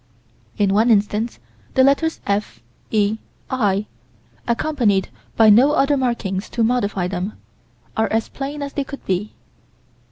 In one instance the letters "F E I" accompanied by no other markings to modify them, are as plain as they could be.